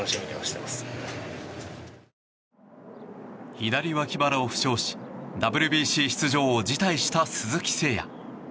左脇腹を負傷しＷＢＣ出場を辞退した鈴木誠也。